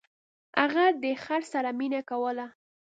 هغه د خر سره مینه کوله.